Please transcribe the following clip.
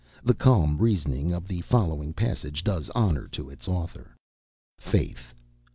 The calm reasoning of the following passage does honor to its author: Faith.